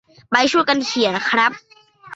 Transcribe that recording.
ไปช่วยกันเขียนครับ